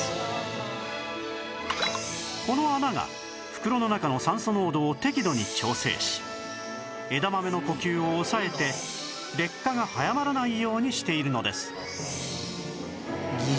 この穴が袋の中の酸素濃度を適度に調整し枝豆の呼吸を抑えて劣化が早まらないようにしているのです